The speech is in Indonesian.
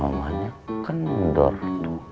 namanya kendor tuh